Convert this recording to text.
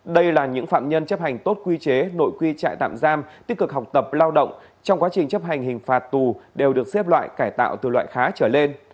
đây là những phạm nhân chấp hành tốt quy chế nội quy trại tạm giam tích cực học tập lao động trong quá trình chấp hành hình phạt tù đều được xếp loại cải tạo từ loại khá trở lên